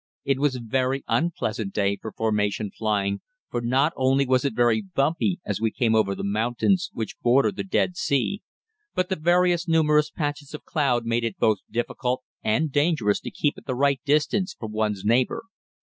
It was a very unpleasant day for formation flying, for not only was it very bumpy as we came over the mountains, which border the Dead Sea, but the very numerous patches of cloud made it both difficult and dangerous to keep at the right distance from one's neighbor.